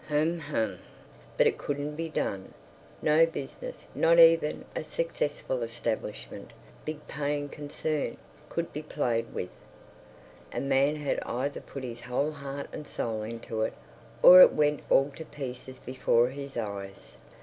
H'm, h'm! But it couldn't be done. No business—not even a successful, established, big paying concern—could be played with. A man had either to put his whole heart and soul into it, or it went all to pieces before his eyes....